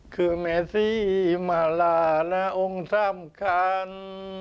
คือแม่ที่มาลาณองค์สำคัญ